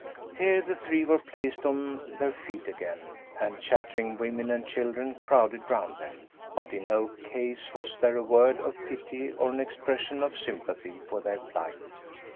Here the three were placed on their feet again, and chattering women and children crowded round them, but, in no case, was there a word of pity or an expression of sympathy for their plight.